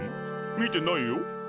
見てないよ。